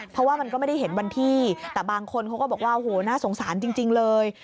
เพราะว่ามันก็ไม่ได้เห็นวันที่แต่บางคนเขาก็บอกว่าโอ้โหน่าสงสารจริงเลย